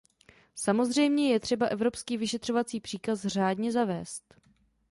Samozřejmě je třeba evropský vyšetřovací příkaz řádně zavést.